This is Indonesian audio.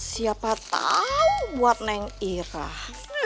siapa tahu buat neng irah